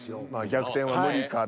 逆転は無理かと。